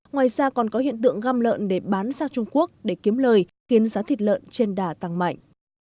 ngoài ra còn có hiện tượng găm lợn để bán sang trung quốc để kiếm lời khiến giá thịt lợn trên đà tăng mạnh